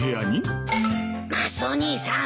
マスオ兄さん